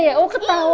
ya ada siapa itu